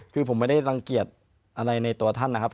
คือผมไม่ได้รังเกียจอะไรในตัวท่านนะครับ